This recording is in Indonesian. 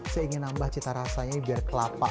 saya ingin nambah cita rasanya ini biar kelapa